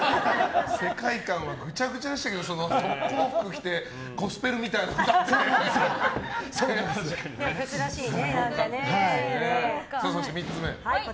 世界観はぐちゃぐちゃでしたけど特攻服着てゴスペルみたいなの歌って。